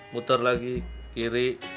muter lagi kiri